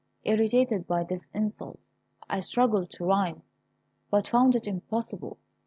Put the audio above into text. Irritated by this insult, I struggled to rise, but found it impossible.